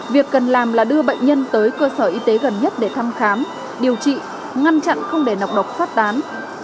việc cần làm là đưa bệnh nhân tới cơ sở y tế gần nhất để thăm khám điều trị ngăn chặn không để nọc độc phát tán